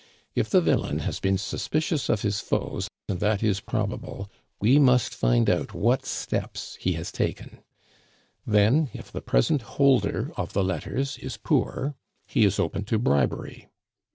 If the villain has been suspicious of his foes, and that is probable, we must find out what steps he has taken. Then, if the present holder of the letters is poor, he is open to bribery.